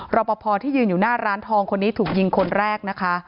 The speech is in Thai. รอปภที่ยืนอยู่หน้าร้านทองคนนี้ถูกยิงคนแรกนะคะ